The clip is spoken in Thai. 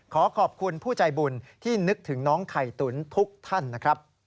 ขอขอบคุณผู้ใจบุญที่นึกถึงน้องไข่ตุ๋นทุกท่านนะครับ